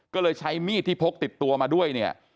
ก็เลยใช้มีดที่พกติดตัวมาด้วยเนี่ย